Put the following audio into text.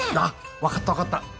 あっわかったわかった！